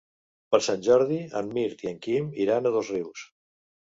Per Sant Jordi en Mirt i en Quim iran a Dosrius.